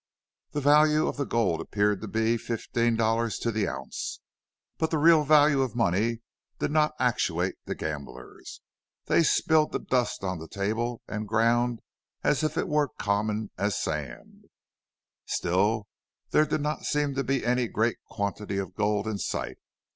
The value of the gold appeared to be fifteen dollars to the ounce, but the real value of money did not actuate the gamblers. They spilled the dust on the table and ground as if it were as common as sand. Still there did not seem to be any great quantity of gold in sight.